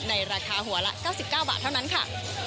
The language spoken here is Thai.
ในราคาหัวละ๙๙บาทเท่านั้นค่ะ